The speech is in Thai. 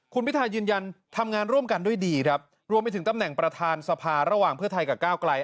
คุณพิทายืนยันทำงานร่วมกันด้วยดีครับรวมไปถึงตำแหน่งประธานสภาระหว่างเพื่อไทยกับก้าวไกล